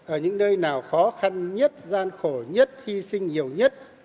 ở những nơi nào khó khăn nhất gian khổ nhất hy sinh nhiều nhất